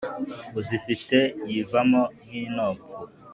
Uzifite yivamo nk'inopfu!"